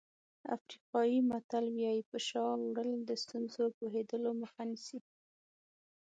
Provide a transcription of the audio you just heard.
افریقایي متل وایي په شا وړل د ستونزو پوهېدلو مخه نیسي.